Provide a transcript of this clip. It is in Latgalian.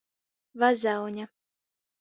Vazauņa.